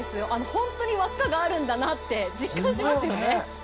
本当に輪っかがあるんだなって実感しますよね。